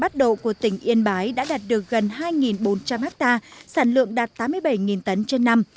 măng chai bắt độ của tỉnh yên bái đã đạt được gần hai bốn trăm linh ha sản lượng đạt tám mươi bảy tấn trên năm